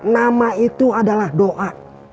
nama itu adalah doa